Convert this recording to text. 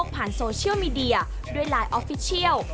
ผ่านโซเชียลมีเดียด้วยไลน์ออฟฟิเชียล